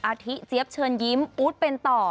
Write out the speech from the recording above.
อาทิเจี๊ยบเชิญยิ้มอู๊ดเป็นต่อ